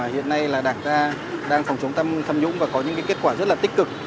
hay là đảng ta đang phòng chống tham nhũng và có những kết quả rất là tích cực